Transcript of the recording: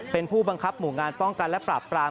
เป็นผู้บังคับหมู่งานป้องกันและปราบปราม